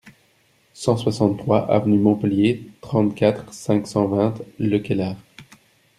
cent soixante-trois avenue Montpellier, trente-quatre, cinq cent vingt, Le Caylar